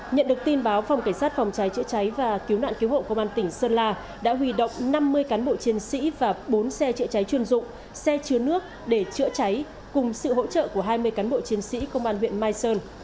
nhận được tin báo phòng cảnh sát phòng cháy chữa cháy và cứu nạn cứu hộ công an tỉnh sơn la đã huy động năm mươi cán bộ chiến sĩ và bốn xe chữa cháy chuyên dụng xe chứa nước để chữa cháy cùng sự hỗ trợ của hai mươi cán bộ chiến sĩ công an huyện mai sơn